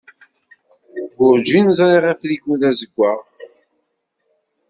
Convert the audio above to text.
Werǧin ẓriɣ afrigu d azeggaɣ.